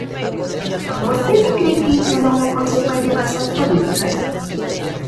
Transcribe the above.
¿Vostede cre que iso non é consecuencia das súas políticas?